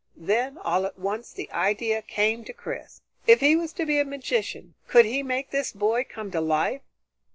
Then all at once the idea came to Chris. If he was to be a magician, could he make this boy come to life?